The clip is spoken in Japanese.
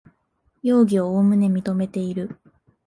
容疑をおおむね認めている